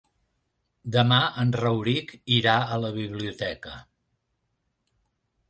Demà en Rauric irà a la biblioteca.